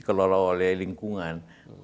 kelola oleh lingkungan